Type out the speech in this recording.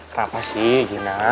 kenapa sih gina